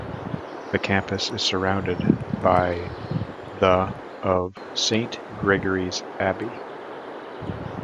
The campus is surrounded by the of Saint Gregory's Abbey.